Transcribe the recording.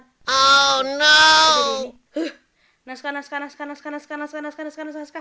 dan pacar oh no naskah naskah naskah naskah naskah naskah naskah naskah naskah naskah naskah naskah